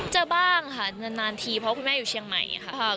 บ้างค่ะนานทีเพราะคุณแม่อยู่เชียงใหม่ค่ะ